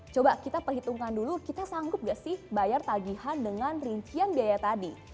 coba kita perhitungkan dulu kita sanggup gak sih bayar tagihan dengan rincian biaya tadi